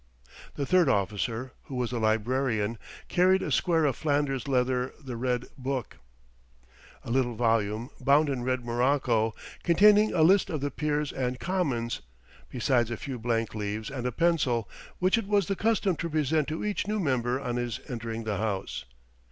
The third officer, who was the librarian, carried on a square of Flanders leather the red book, a little volume, bound in red morocco, containing a list of the peers and commons, besides a few blank leaves and a pencil, which it was the custom to present to each new member on his entering the House.